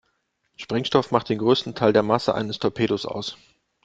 Sprengstoff macht den größten Teil der Masse eines Torpedos aus.